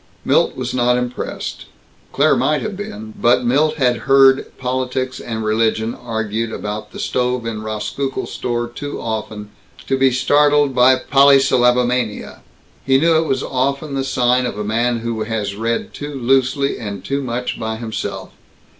Milt was not impressed. Claire might have been, but Milt had heard politics and religion argued about the stove in Rauskukle's store too often to be startled by polysyllabomania. He knew it was often the sign of a man who has read too loosely and too much by himself.